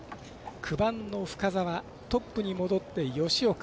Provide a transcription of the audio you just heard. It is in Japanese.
９番の深沢、トップに戻って吉岡。